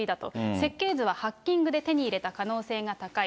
設計図はハッキングで手に入れた可能性が高い。